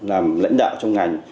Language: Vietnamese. làm lãnh đạo trong ngành